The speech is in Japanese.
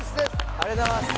ありがとうございます！